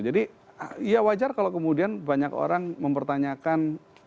jadi ya wajar kalau kemudian banyak orang mempertanyakan